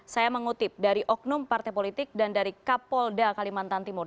saya mengutip dari oknum partai politik dan dari kapolda kalimantan timur